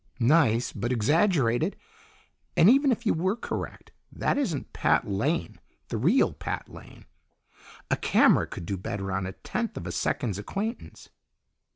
"Nice, but exaggerated. And even if you were correct, that isn't Pat Lane, the real Pat Lane. A camera could do better on a tenth of a second's acquaintance!"